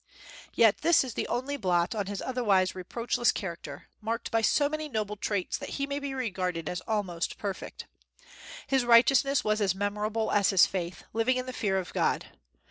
Yet this is the only blot on his otherwise reproachless character, marked by so many noble traits that he may be regarded as almost perfect. His righteousness was as memorable as his faith, living in the fear of God.